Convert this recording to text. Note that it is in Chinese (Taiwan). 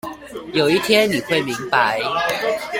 有一天你會明白